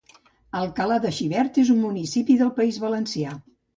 Alcalà de Xivert és un municipi del País Valencià